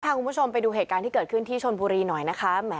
คุณผู้ชมไปดูเหตุการณ์ที่เกิดขึ้นที่ชนบุรีหน่อยนะคะ